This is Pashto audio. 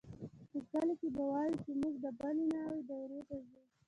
په کلي کښې به ووايو چې موږ د بلې ناوې دايرې ته ځو.